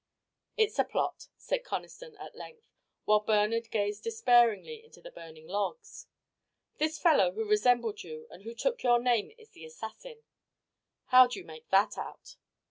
"It's a plot," said Conniston, at length, while Bernard gazed despairingly into the burning logs. "This fellow who resembled you and who took your name is the assassin." "How do you make that out?"